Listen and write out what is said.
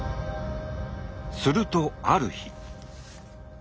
するとある日。